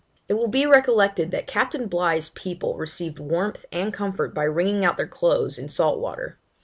It will be recollected that Captain Bligh's people received warmth and comfort by wringing out their clothes in salt water.